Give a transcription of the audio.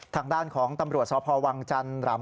ทางด้านของตำรวจสพวังจันทร์หลัง